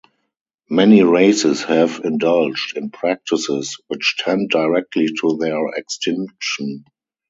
Many races have indulged in practices which tend directly to their extinction.